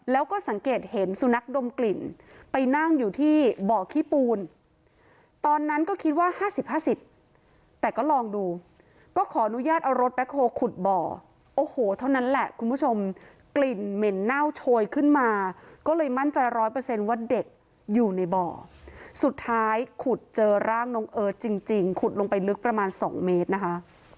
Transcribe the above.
แล้วก็สังเกตเห็นสุนัขดมกลิ่นไปนั่งอยู่ที่บ่อขี้ปูนตอนนั้นก็คิดว่า๕๐๕๐แต่ก็ลองดูก็ขออนุญาตเอารถแบ็คโฮลขุดบ่อโอ้โหเท่านั้นแหละคุณผู้ชมกลิ่นเหม็นเน่าโชยขึ้นมาก็เลยมั่นใจร้อยเปอร์เซ็นต์ว่าเด็กอยู่ในบ่อสุดท้ายขุดเจอร่างน้องเอิร์ทจริงขุดลงไปลึกประมาณ๒เมตรนะคะ